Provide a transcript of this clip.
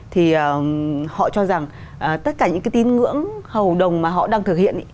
thì họ cho rằng tất cả những cái tín ngưỡng hầu đồng mà họ đang thực hiện